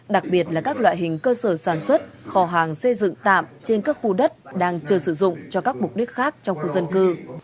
đặc biệt là các loại hình cơ sở sản xuất kho hàng xây dựng tạm trên các khu đất đang chờ sử dụng cho các mục đích khác trong khu dân cư